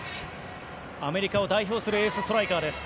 アメリカを代表するエースストライカーです。